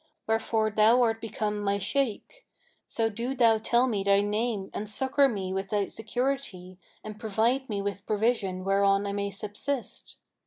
Wherefore thou art become my Shaykh; so do thou tell me thy name and succour me with thy security and provide me with provision whereon I may subsist.'